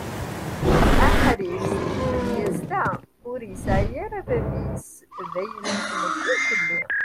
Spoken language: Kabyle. Aḥric seg tmedyaz-a ur yesɛi ara bab-is d ayla n tmetti irkeli.